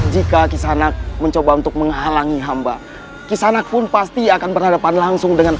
jika kishanak mencoba untuk menghalangi hamba kisanak pun pasti akan berhadapan langsung dengan